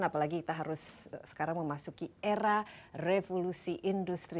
apalagi kita harus sekarang memasuki era revolusi industri